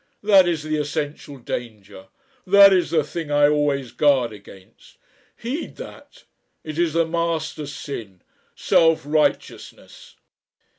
That is the essential danger. That is the thing I always guard against. Heed that! It is the master sin. Self righteousness."